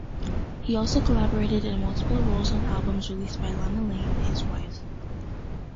He also collaborated in multiple roles on albums released by Lana Lane, his wife.